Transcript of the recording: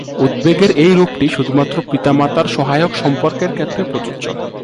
উদ্বেগের এই রূপটি শুধুমাত্র পিতামাতার সহায়ক সম্পর্কের ক্ষেত্রে প্রযোজ্য।